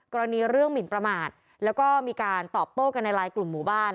กรณีเรื่องหมินประมาทแล้วก็มีการตอบโต้กันในไลน์กลุ่มหมู่บ้าน